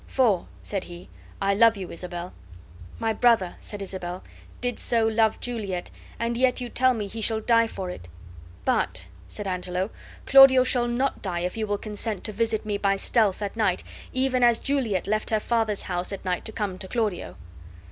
"For," said he, "I love you, Isabel." "My brother," said Isabel, "did so love Juliet, and yet you tell me he shall die for it." "But," said Angelo, "Claudio shall not die if you will consent to visit me by stealth at night, even as Juliet left her father's house at night to come to Claudio."